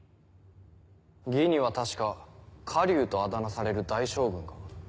魏には確か火龍とあだ名される大将軍が。